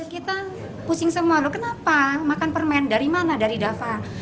kita pusing semua loh kenapa makan permen dari mana dari dava